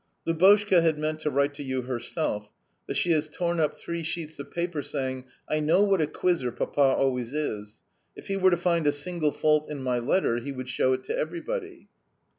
"Lubotshka had meant to write to you herself, but she has torn up three sheets of paper, saying: 'I know what a quizzer Papa always is. If he were to find a single fault in my letter he would show it to everybody.